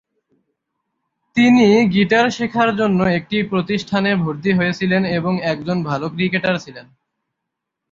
তিনি গিটার শেখার জন্য একটি প্রতিষ্ঠানে ভর্তি হয়েছিলেন এবং একজন ভাল ক্রিকেটার ছিলেন।